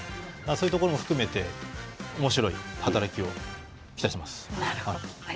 そういうところも含めておもしろい働きを期待しています。